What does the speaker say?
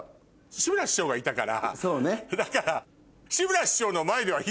志村師匠がいたからだから。